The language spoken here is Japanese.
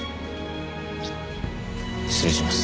失礼します。